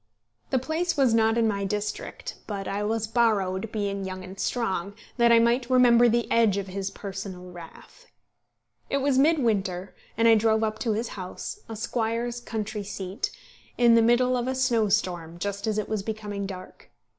The place was not in my district, but I was borrowed, being young and strong, that I might remember the edge of his personal wrath. It was mid winter, and I drove up to his house, a squire's country seat, in the middle of a snow storm, just as it was becoming dark.